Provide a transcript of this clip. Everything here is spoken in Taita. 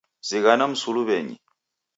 Zighana msuluwenyi